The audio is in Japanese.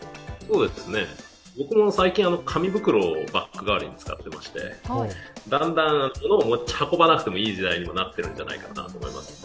僕も最近、紙袋をバッグ代わりに使っていましてだんだん物を持ち運ばなくてもいい時代になってるんじゃないかと思います。